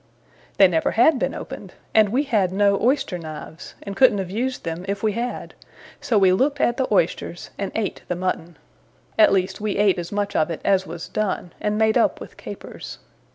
They never had been opened; and we had no oyster knives and couldn't have used them if we had; so we looked at the oysters and ate the mutton. At least we ate as much of it as was done, and made up with capers.